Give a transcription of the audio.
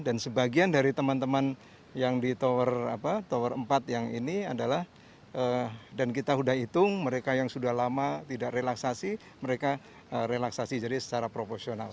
dan sebagian dari teman teman yang di tower empat yang ini adalah dan kita sudah hitung mereka yang sudah lama tidak relaksasi mereka relaksasi jadi secara proporsional